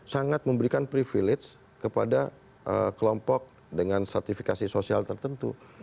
sangat memberikan privilege kepada kelompok dengan sertifikasi sosial tertentu